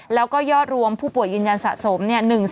แล้วก็ยอดรวมผู้ป่วยยืนยันสะสม๑๗๙๘๘๖ราย